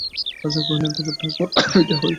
রাজা কহিলেন, তবে ঠাকুর, আমি বিদায় হই।